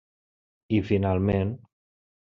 I finalment.